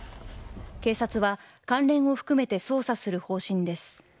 警察は関連を含めて捜査する方針です。